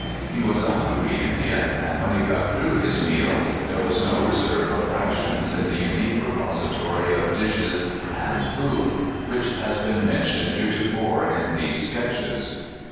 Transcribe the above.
He w^as a hungry Indian, and when he got through his meal there was no reserve of rations in the unique repository of dishes and food which has been mentioned heretofore in these *' Sketches."